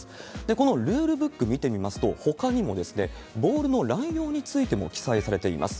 このルールブック見てみますと、ほかにもボールの乱用についても記載されています。